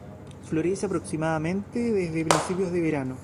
Florece aproximadamente desde principios del verano.